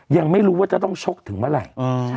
ยังไม่รู้ว่าจะต้องชกถึงเมื่อไหร่